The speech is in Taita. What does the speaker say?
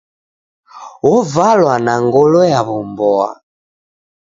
Ovalwa n a ngolo ya w'umboa.